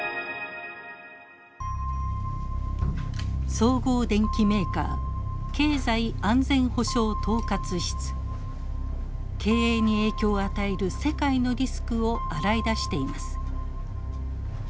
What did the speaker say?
総合電機メーカー経営に影響を与える世界のリスクを洗い出しています。